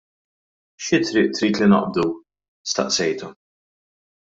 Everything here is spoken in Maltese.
" Xi triq trid li naqbdu? " staqsejtha.